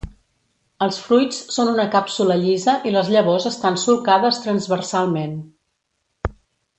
Els fruits són una càpsula llisa i les llavors estan solcades transversalment.